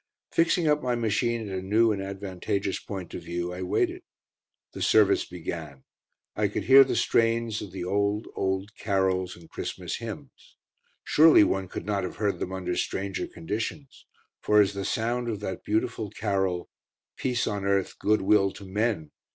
Fixing up my machine at a new and advantageous point of view, I waited. The service began. I could hear the strains of the old, old carols and Christmas hymns. Surely one could not have heard them under stranger conditions, for as the sound of that beautiful carol, "Peace on Earth, Good Will to Men!"